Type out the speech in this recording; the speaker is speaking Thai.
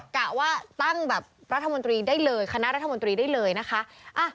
กะว่าตั้งแบบรัฐมนตรีได้เลยคณะรัฐมนตรีได้เลยนะคะ